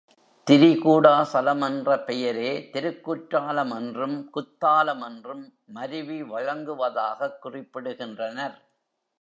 திரிகூடாசலம் என்ற பெயரே திருக்குற்றாலம் என்றும், குத்தாலம் என்றும் மருவி வழங்குவதாகக் குறிப்பிடுகின்றனர்.